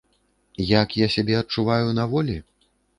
Як я сябе адчуваю на волі?